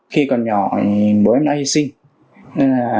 khi còn nhỏ bố em đã hy sinh